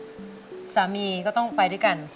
อเรนนี่คือเหตุการณ์เริ่มต้นหลอนช่วงแรกแล้วมีอะไรอีก